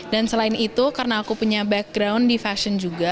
dan selain itu karena aku punya background di fashion juga